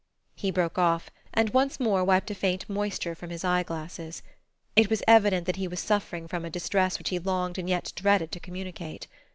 He broke off, and once more wiped a faint moisture from his eyeglasses. It was evident that he was suffering from a distress which he longed and yet dreaded to communicate.